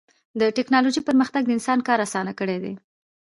د ټکنالوجۍ پرمختګ د انسان کار اسان کړی دی.